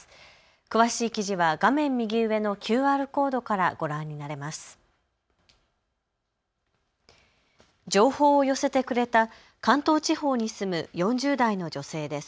詳しい記事は画面右上のＱＲコードからご覧になれます。